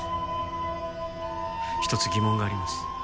一つ疑問があります。